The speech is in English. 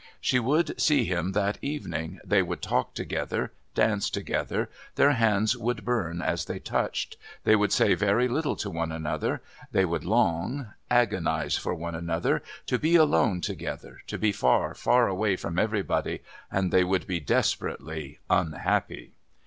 She would see him that evening, they would talk together, dance together, their hands would burn as they touched; they would say very little to one another; they would long, agonize for one another, to be alone together, to be far, far away from everybody, and they would be desperately unhappy.